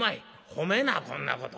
「褒めなこんなこと」。